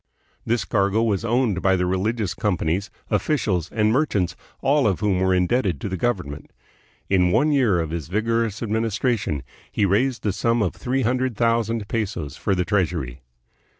This cargo was owned by the religious com panies, officials, and merchants, all of whom were in debted to the government. In one year of his vigorous administration he raised the sum of three hundred thou sand pesos for the treasury.